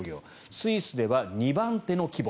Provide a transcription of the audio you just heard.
スイスでは２番手の規模。